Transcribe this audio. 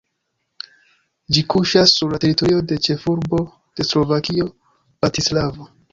Ĝi kuŝas sur la teritorio de ĉefurbo de Slovakio Bratislavo.